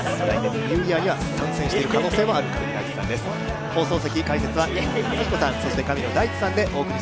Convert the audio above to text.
ニューイヤーには参戦している可能性もある神野さんです。